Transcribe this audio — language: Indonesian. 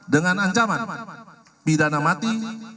dengan ancaman pidana mati